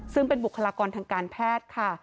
ซึ่งเป็นบุคลากรทางการแพทย์ค่ะ